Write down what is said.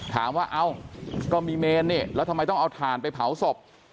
ถามว่าเอ้าก็มีเมนนี่แล้วทำไมต้องเอาถ่านไปเผาศพ